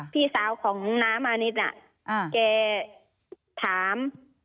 พี่สาวของน้ำอันนี้แกถาม